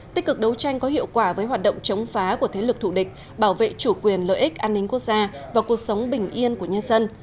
tích cực đấu tranh có hiệu quả với hoạt động chống phá của thế lực thủ địch bảo vệ chủ quyền lợi ích an ninh quốc gia và cuộc sống bình yên của nhân dân